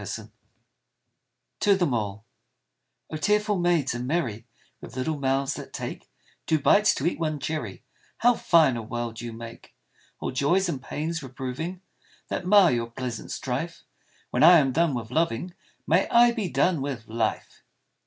95 TO THEM ALL OH, tearful maids and merry, With little mouths that take Two bites to eat one cherry, How fine a world you make ' All joys and pains reproving That mar your pleasant strife When I am done with loving, May I be done with life